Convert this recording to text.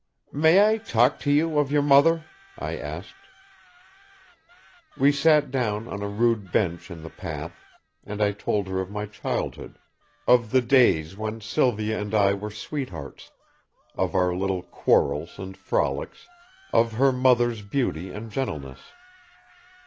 "May I talk to you of your mother?" I asked. We sat down on a rude bench in the path, and I told her of my childhood, of the days when Sylvia and I were sweethearts, of our little quarrels and frolics, of her mother's beauty and gentleness.